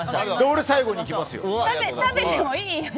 俺、最後にいきますよ。